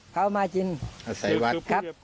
ข้าวมาจินใส่วัด